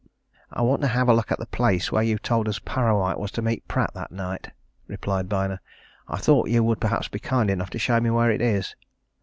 "I want to have a look at the place where you told us Parrawhite was to meet Pratt that night," replied Byner. "I thought you would perhaps be kind enough to show me where it is."